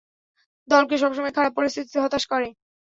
দলকে সব সময় খারাপ পরিস্থিতিতে হতাশ করে।